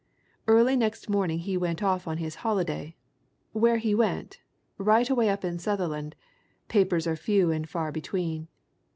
Early next morning he went off on his holiday where he went, right away up in Sutherland, papers were few and far between.